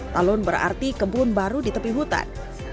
talun berarti kebun baru di tepi hutan